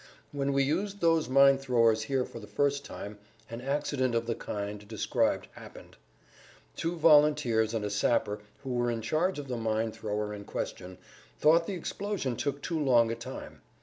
When we used those mine throwers here for the first time an accident of the kind described happened. Two volunteers and a sapper who were in charge of the mine thrower in question thought the[Pg 134] explosion took too long a time.